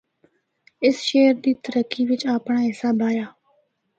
اس شہر دی ترقی بچ اپنڑا حصہ بایا۔